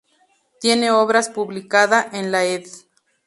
Tiene obras publicada en la Ed.